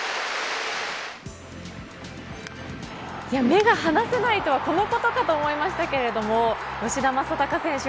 目が離せないとはこのことかと思いましたけれども吉田正尚選手